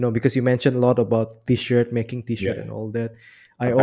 karena anda menyebutkan banyak tentang t shirt membuat t shirt dan sebagainya